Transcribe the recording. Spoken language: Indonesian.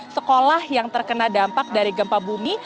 sekolah yang terkena dampak dari gempa bumi